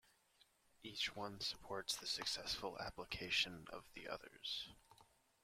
Each one supports the successful application of the others.